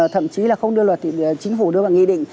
thậm chí là không đưa luật thì chính phủ đưa vào nghị định